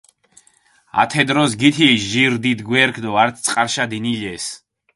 ათე დროს გითილჷ ჟირი დიდი გვერქჷ დო ართი წყარიშა დინილესჷ.